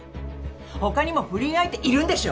他にも不倫相手いるんでしょ。